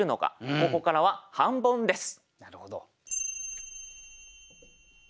ここからは半ボンです。